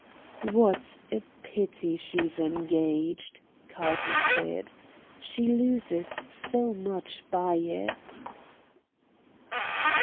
"What a pity she's engaged!" Carlton said. "She loses so much by it."